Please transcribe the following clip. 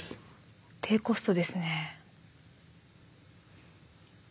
低コストですね。